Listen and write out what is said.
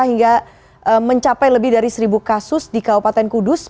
hingga mencapai lebih dari seribu kasus di kabupaten kudus